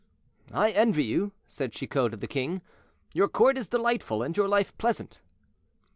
"I envy you," said Chicot to the king; "your court is delightful, and your life pleasant."